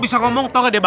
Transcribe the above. enak enak ibu